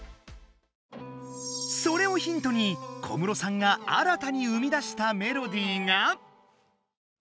それをヒントに小室さんが新たに生み出したメロディーが。